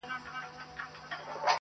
ځان به آصل ورته ښکاري تر خپلوانو.